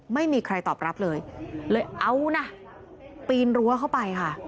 ไม่มีใครตอบรับเลยเลยเอานะปีนรั้วเข้าไปค่ะ